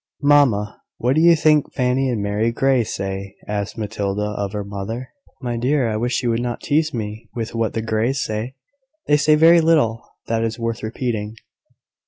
"Mamma, what do you think Fanny and Mary Grey say?" asked Matilda of her mother. "My dear, I wish you would not tease me with what the Greys say. They say very little that is worth repeating."